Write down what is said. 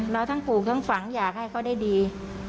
ทั้งปลูกทั้งฝังอยากให้เขาได้ดี